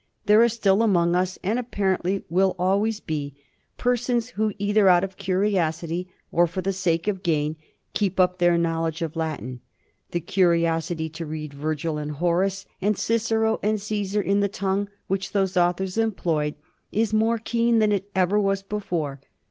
There are stiU among us, and apparently will always be, persons who, * either out of curiosity or for the sake of gain,' keep up their knowledge of Latin. The curiosity to read Virgil, and Horace, and Cicero, and C»sar, in the tongue which those authors employed, is more keen than it ever was before.